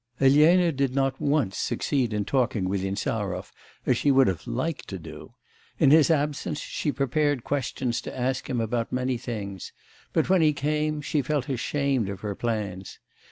Elena did not once succeed in talking with Insarov, as she would have liked to do; in his absence she prepared questions to ask him about many things, but when he came she felt ashamed of her plans.